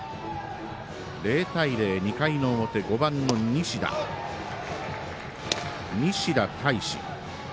０対０、２回の表５番の西田大志。